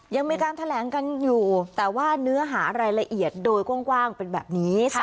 ยังมีการแถลงกันอยู่แต่ว่าเนื้อหารายละเอียดโดยกว้างเป็นแบบนี้